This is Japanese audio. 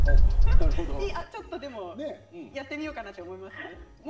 ちょっとやってみようかなと思いますか？